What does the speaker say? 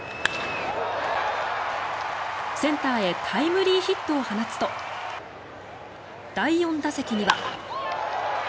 センターへタイムリーヒットを放つと第４打席には。